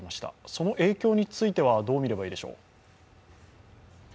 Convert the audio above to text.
その影響についてはどう見ればいいでしょう。